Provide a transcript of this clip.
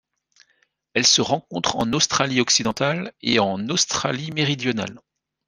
Elle se rencontre en Australie-Occidentale et en Australie-Méridionale.